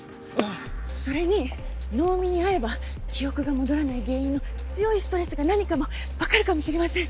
それに能見に会えば記憶が戻らない原因の強いストレスが何かもわかるかもしれません。